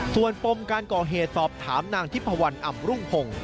ส่วนปมการก่อเหตุสอบถามนางทิพวันอำรุ่งพงศ์